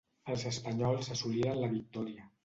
Els espanyols assoliren la victòria.